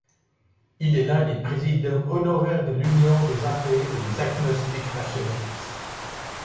Il est l'un des présidents honoraires de l'Union des athées et des agnostiques rationalistes.